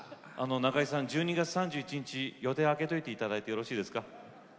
中井さん１２月３１日予定を空けておいていただいてもよろしいですか。